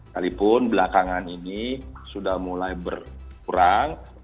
walaupun belakangan ini sudah mulai berkurang